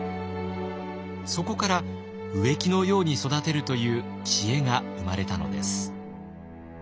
そこから「植木のように育てる」という知恵が生まれたのです。